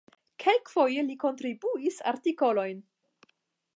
Kelkfoje li kontribuis artikolojn.